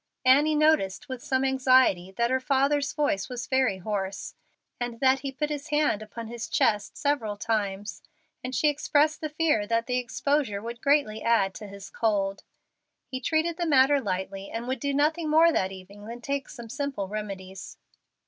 Annie noticed with some anxiety that her father's voice was very hoarse, and that he put his hand upon his chest several times, and she expressed the fear that the exposure would greatly add to his cold. He treated the matter lightly, and would do nothing more that evening than take some simple remedies.